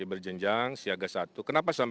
bukan terlalu lima project